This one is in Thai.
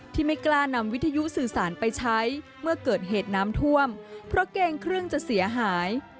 ที่ไม่กล้านำวิทยุสื่อสารไปใช้เมื่อเกิดเหตุน้ำท่วมเพราะเกรงเครื่องจะเสียหาย